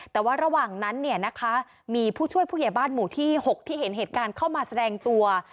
แต่ว่าระหว่างนั้นเนี่ยนะคะมีผู้ช่วยผู้ใหญ่บ้านหมู่ที่๖ที่เห็นเหตุการณ์เข้ามาแสดงตัว